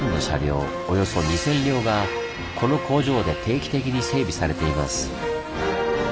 およそ２，０００両がこの工場で定期的に整備されています。